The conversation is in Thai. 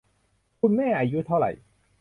คุณแม่ อายุเท่าไหร